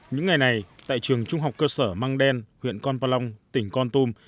những ngày này tại trường trung học cơ sở măng đen huyện con pa long tỉnh con tum